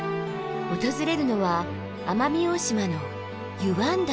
訪れるのは奄美大島の湯湾岳。